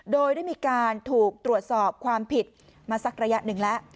โดยได้มีการถูกตรวจสอบความผิดมาสักระยะหนึ่งแล้ว